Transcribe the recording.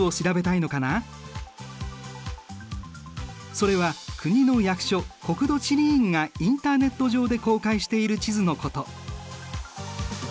それは国の役所国土地理院がインターネット上で公開している地図のこと。